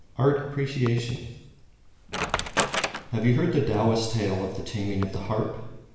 Art Appreciation Have you heard the Taoist tale of the Taming of the Harp?